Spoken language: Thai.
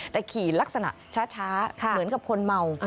แต่ขี่ลักษณะช้าเหมือนกับคนเมา